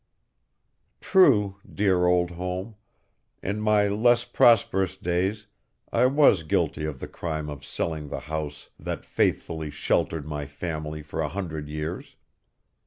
True, dear old home; in my less prosperous days I was guilty of the crime of selling the house that faithfully sheltered my family for a hundred years.